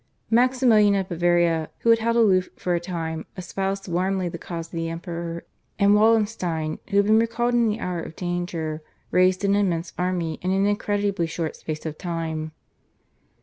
Maximilian of Bavaria, who had held aloof for a time, espoused warmly the cause of the Emperor, and Wallenstein, who had been recalled in the hour of danger, raised an immense army in an incredibly short space of time.